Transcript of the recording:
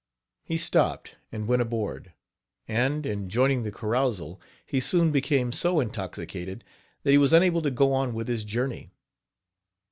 He stopped, and went aboard; and, in joining the carousal, he soon became so intoxicated that he was unable to go on with his journey.